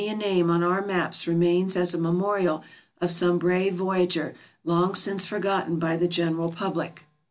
MISCELLANEOUS 449 a name on our maps remains as a memorial of some brave voyager long since forgotten by the general public.